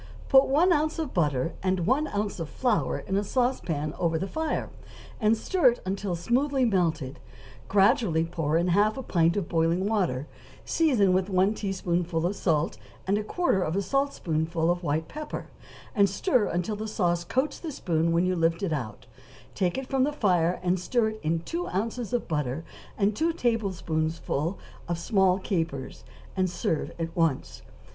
= Put one ounce of butter and one ounce of flour in a sauce pan over the fire, and stir until smoothly melted; gradually pour in half a pint of boiling water, season with one teaspoonful of salt, and quarter of a saltspoonful of white pepper, and stir until the sauce coats the spoon when you lift it out; take it from the fire, and stir in two ounces of butter, and two tablespoonfuls of small capers, and serve at once.